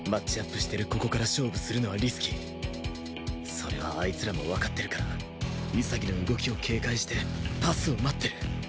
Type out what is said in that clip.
それはあいつらもわかってるから潔の動きを警戒してパスを待ってる